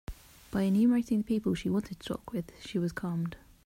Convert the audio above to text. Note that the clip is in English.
By enumerating the people she wanted to talk with, she was calmed.